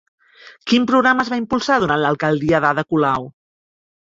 Quin programa es va impulsar durant l'alcaldia d'Ada Colau?